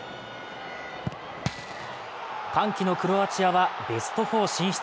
歓喜のクロアチアはベスト４進出。